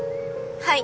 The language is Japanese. はい。